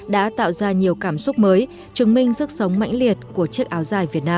đã tạo ra nhiều cảm xúc mới chứng minh sức sống mạnh liệt của trực áo dài việt nam